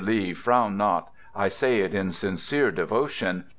Lee, frown not: I say it in sincere devotion.